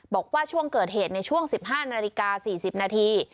บอกว่าช่วงเกิดเหตุในช่วง๑๕นาฬิกา๔๐นาที